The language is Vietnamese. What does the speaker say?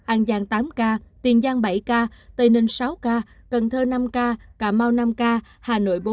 an giang tám ca tiền giang bảy ca tây ninh sáu ca cần thơ năm ca cà mau năm ca hà nội bốn